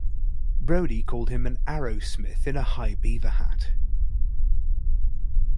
Brody called him an Arrowsmith in a high beaver hat.